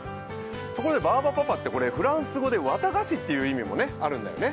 ところで、バーバパパってフランス語で「綿菓子」っていう意味もあるんだよね。